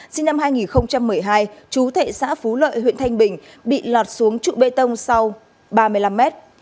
sinh năm hai nghìn một mươi hai chú thệ xã phú lợi huyện thanh bình bị lọt xuống trụ bê tông sau ba mươi năm mét